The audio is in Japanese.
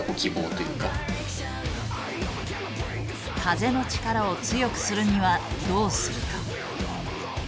風の力を強くするにはどうするか？